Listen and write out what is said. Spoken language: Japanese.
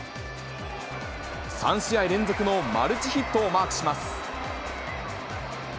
３試合連続のマルチヒットをマークします。